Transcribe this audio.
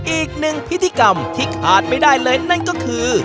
อีกหนึ่งพิธีกรรมที่ขาดไม่ได้เลยนั่นก็คือ